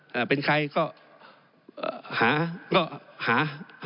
ถ้าเป็นใครก็หาก็หา